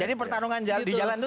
jadi pertarungan di jalan itu